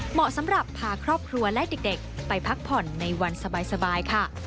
เหมาะสำหรับพาครอบครัวและเด็กไปพักผ่อนในวันสบายค่ะ